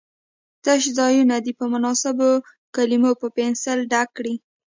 تش ځایونه دې په مناسبو کلمو په پنسل ډک کړي.